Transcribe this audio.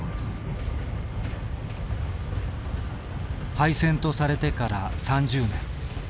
廃線とされてから３０年。